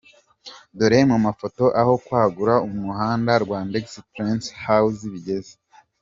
Dore mu Mafoto aho kwagura umuhanda Rwandex- Prince House bigeze.